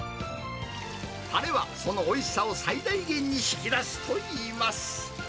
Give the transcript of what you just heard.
たれはそのおいしさを最大限に引き出すといいます。